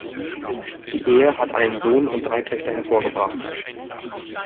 Die Ehe hat einen Sohn und drei Töchter hervorgebracht.